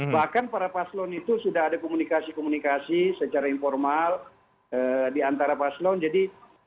bahkan para paslon itu sudah ada komunikasi komunikasi secara informal di antara paslon jadi